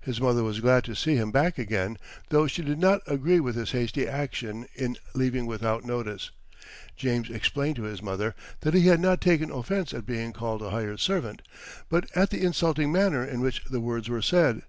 His mother was glad to see him back again, though she did not agree with his hasty action in leaving without notice. James explained to his mother that he had not taken offence at being called a hired servant, but at the insulting manner in which the words were said.